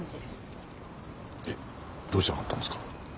えっどうしてわかったんですか？